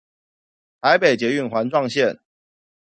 臺北捷運環狀線